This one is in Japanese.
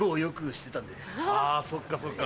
あそっかそっか。